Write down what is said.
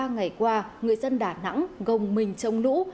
ba ngày qua người dân đà nẵng gồng mình trong nũ